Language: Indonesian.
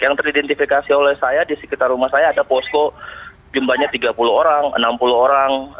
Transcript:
yang teridentifikasi oleh saya di sekitar rumah saya ada posko jumlahnya tiga puluh orang enam puluh orang